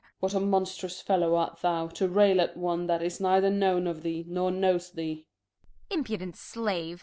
Gent. What a monst'rous Fellow art thou to rail at One that is neither known of thee, nor knows thee ? Kent. Impudent Slave!